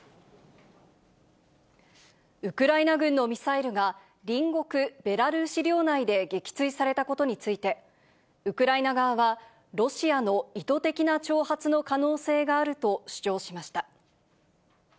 ウクライナ軍のミサイルが隣国ベラルーシ領内で撃墜されたことについて、ウクライナ側はロシアの意図的な挑発の可能性があると主張しました。